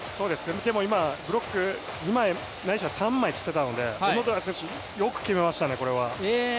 でも今、ブロック二枚ないしは三枚来てたので小野寺選手、よく決めましたね、これは。